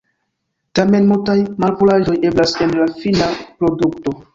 Tamen multaj malpuraĵoj eblas en la fina produkto.